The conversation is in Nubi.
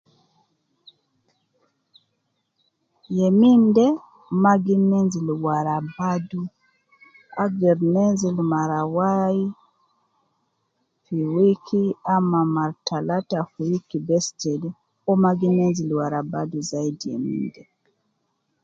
Youminde mma gi nenzil wara badu, agder nenzil mara wai fi wiki ama mar talata fi wiki bes jede, uwo mma gi nenzil wara badu youminde.